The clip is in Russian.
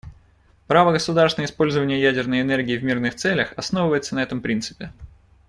Право государств на использование ядерной энергии в мирных целях основывается на этом принципе.